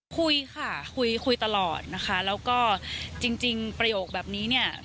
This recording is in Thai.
คุยค่ะคุยคุยตลอดนะคะแล้วก็จริงประโยคแบบนี้เนี่ย